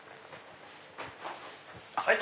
はい。